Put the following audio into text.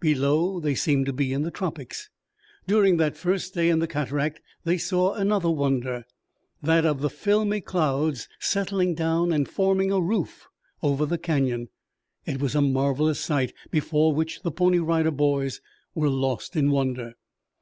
Below they seemed to be in the tropics. During that first day in the Cataract they saw another wonder, that of the filmy clouds settling down and forming a roof over the Canyon. It was a marvelous sight before which the Pony Rider Boys were lost in wonder.